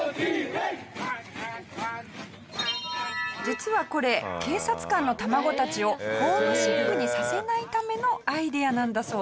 実はこれ警察官の卵たちをホームシックにさせないためのアイデアなんだそうです。